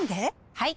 はい！